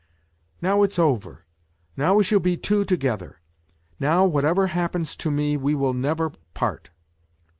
" Now it's over ! N^ojwjvejshalLbe two together. Now^whatever happens to mo, wo will never part.